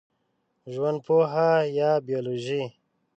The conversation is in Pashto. ژوندپوهه یا بېولوژي